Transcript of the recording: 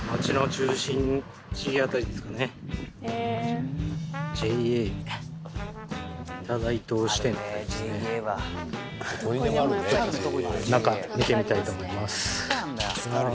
中見てみたいと思います。